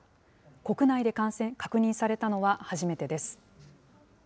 国内で確認されたのは初めてです。